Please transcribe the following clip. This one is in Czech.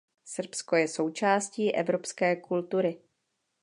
Srbsko je součástí evropské kultury.